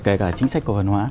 kể cả chính sách cổ phần hóa